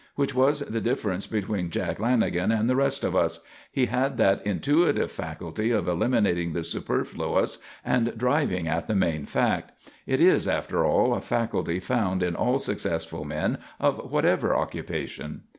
Which was the difference between Jack Lanagan and the rest of us; he had that intuitive faculty of eliminating the superfluous and driving at the main fact. It is, after all, a faculty found in all successful men of whatever occupation.